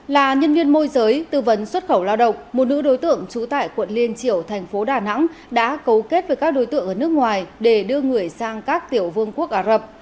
là nhân viên môi giới tư vấn xuất khẩu lao động một nữ đối tượng trú tại quận liên triều thành phố đà nẵng đã cấu kết với các đối tượng ở nước ngoài để đưa người sang các tiểu vương quốc ả rập